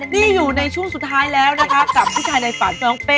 นี่อยู่ในช่วงสุดท้ายแล้วนะคะกับผู้ชายในฝันน้องเป้